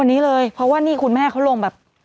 วันนี้เลยเพราะว่านี่คุณแม่เขาลงแบบ